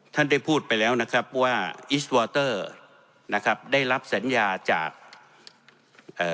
ท่านได้พูดไปแล้วนะครับว่าอิสวอเตอร์นะครับได้รับสัญญาจากเอ่อ